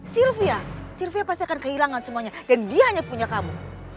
sylvia sylvia pasti akan kehilangan semuanya dan dia hanya punya kamu